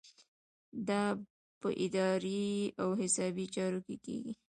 دا په اداري او حسابي چارو کې کیږي.